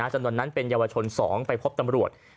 จำนวนนั้นเป็นเยาวชน๒ไปพบตำรวจ